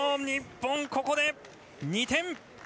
日本、ここで２点！